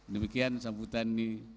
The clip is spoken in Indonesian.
demikian sambutan ini